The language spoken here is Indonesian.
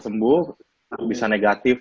sembuh bisa negatif